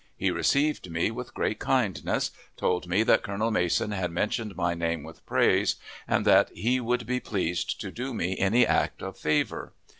He received me with great kindness, told me that Colonel Mason had mentioned my name with praise, and that he would be pleased to do me any act of favor.